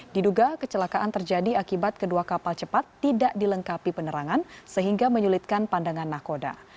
diduga kecelakaan terjadi akibat kedua kapal cepat tidak dilengkapi penerangan sehingga menyulitkan pandangan nahkoda